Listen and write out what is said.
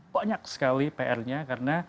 banyak sekali pr nya karena